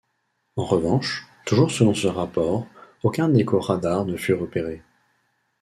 En revanche, toujours selon ce rapport, aucun écho radar ne fut repéré.